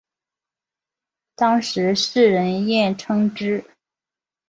当时世人艳称之。